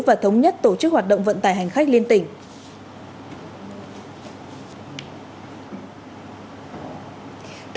và thống nhất tổ chức hoạt động vận tải hành khách liên tỉnh